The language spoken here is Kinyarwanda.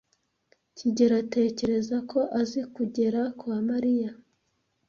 kigeli atekereza ko azi kugera kwa Mariya.